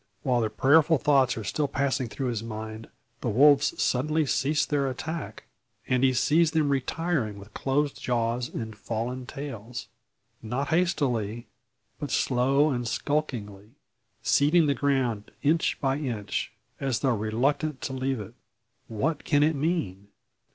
While the prayerful thoughts are still passing through his mind, the wolves suddenly cease their attack, and he sees them retiring with closed jaws and fallen tails! Not hastily, but slow and skulkingly; ceding the ground inch by inch, as though reluctant to leave it. What can it mean?